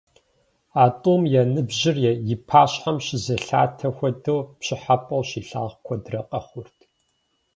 А тӏум я ныбжьыр и пащхьэм щызелъатэ хуэдэу, пщӏыхьэпӏэу щилъагъу куэдрэ къэхъурт.